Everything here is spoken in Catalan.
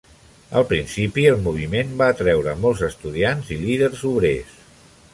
Al principi el moviment va atreure molts estudiants i líders obrers.